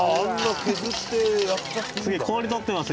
氷採ってます